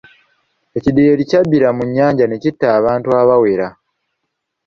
Ekidyeri kyabbira mu nnyanja ne kitta abantu abawera.